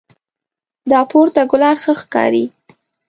دا پورته ګلان ښه ښکاري